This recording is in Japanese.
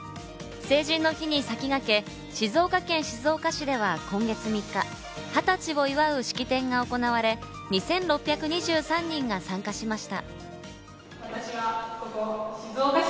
成人の日に先駆け、静岡県静岡市では今月３日、二十歳を祝う式典が行われ、２６２３人が参加しました。